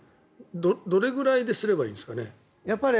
どれぐらいですればいいんですかね。